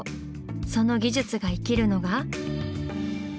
その技術が生きるのが。